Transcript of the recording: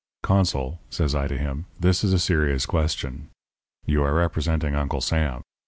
"'Consul,' says I to him, 'this is a serious question. You are representing Uncle Sam.